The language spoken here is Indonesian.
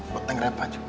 buat neng repa juga